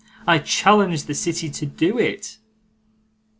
I challenge the city to do it!